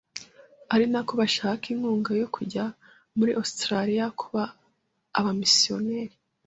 ari na ko bashaka inkunga yo kujya muri Australia kuba abamisiyoneri.